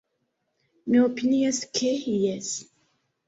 Mi opinias ke jes.